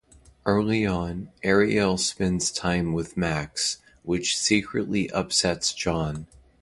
Early on, Ariel spends time with Max, which secretly upsets John.